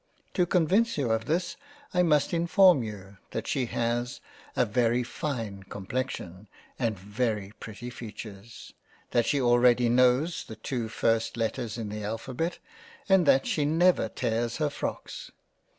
To convince you of this, I must inform you that she has a very fine com plexion and very pretty features, that she already knows the two first letters in the Alphabet, and that she never tears her frocks —